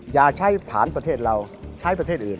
อย่าใช้ฐานประเทศเราใช้ประเทศอื่น